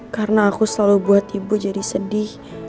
karena aku selalu buat ibu jadi sedih